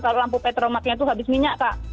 kalau lampu petromaknya itu habis minyak kak